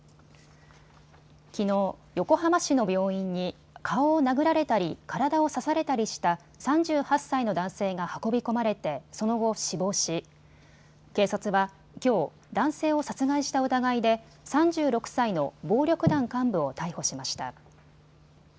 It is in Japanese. きのう、横浜市の病院に顔を殴られたり体を刺されたりした３８歳の男性が運び込まれてその後、死亡し警察はきょう、男性を殺害した疑いで３６歳の暴力団幹部を逮捕しました。